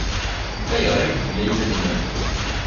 Ayɣer i yewwi ayla-nwen?